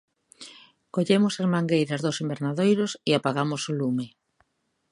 Collemos as mangueiras dos invernadoiros e apagamos o lume.